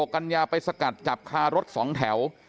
๑๖กันยาไปสกัดจับค่ารทสองแถว